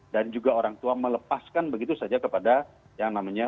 dan juga orang tua melepaskan begitu saja kepada yang namanya